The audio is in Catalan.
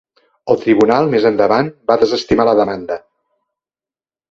El tribunal més endavant va desestimar la demanda.